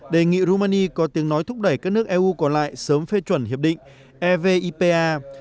đề nghị romani có tiếng nói thúc đẩy các nước eu còn lại sớm phê chuẩn hiệp định evipa